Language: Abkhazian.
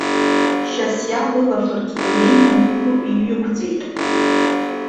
Шьасиа лылаӷырӡқәа ҩеины лгәы иҩықәҵәеит.